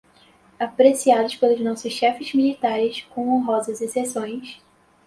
apreciados pelos nossos chefes militares com honrosas excepções